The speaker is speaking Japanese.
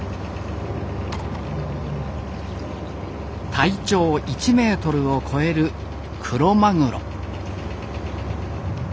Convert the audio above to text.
体長１メートルを超えるクロマグロ。